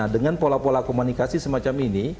dengan pola pola komunikasi semacam ini